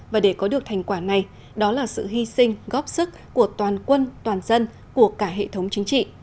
và để có được thành quả này đó là sự hy sinh góp sức của toàn quân toàn dân của cả hệ thống chính trị